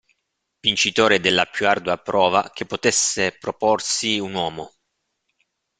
Vincitore della più ardua prova che potesse proporsi un uomo!